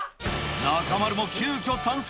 中丸も急きょ参戦。